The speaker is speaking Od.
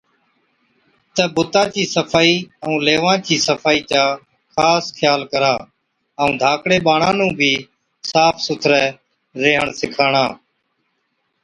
تہ بُتا چِي صفائِي ائُون ليوان چِي صفائِي چا خاص خيال ڪرا ائُون ڌاڪڙان ٻاڙان نُون بِي صاف سُٿرَي ريهڻ سِکاڻا۔